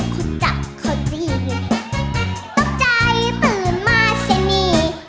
คุกจับเขาจริงตกใจตื่นมาเสนี